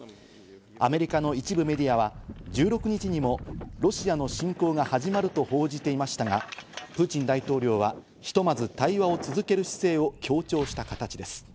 アメリカの一部メディアは、１６日にもロシアの侵攻が始まると報じていましたが、プーチン大統領はひとまず対話を続ける姿勢を強調した形です。